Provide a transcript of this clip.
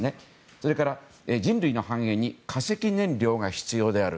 それから、人類の繁栄に化石燃料が必要である。